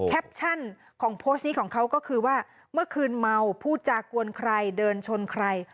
แคปชั่นของโพสต์นี้ของเขาก็คือว่าเมื่อคืนเมาพูดจากวนใครเดินชนใคร